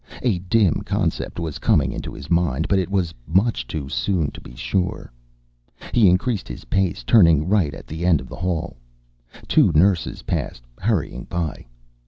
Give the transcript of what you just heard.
A dim concept was coming into his mind, but it was much too soon to be sure. He increased his pace, turning right at the end of the hall. Two nurses passed, hurrying by.